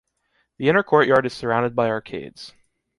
The inner courtyard is surrounded by arcades.